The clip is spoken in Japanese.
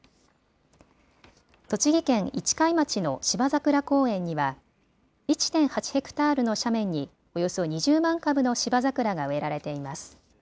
栃木県市貝町の芝ざくら公園には１．８ｈａの斜面におよそ２０万株のシバザクラが植えられています。